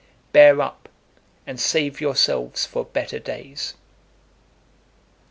Aen. 1. Bear up, and save yourselves for better days.